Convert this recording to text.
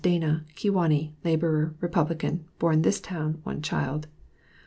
DANA, Kewanee; laborer; Rep; born this town; one child.